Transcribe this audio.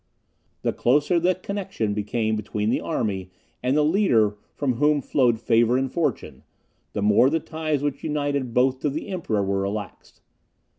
The closer the connexion became between the army, and the leader from whom flowed favour and fortune, the more the ties which united both to the Emperor were relaxed.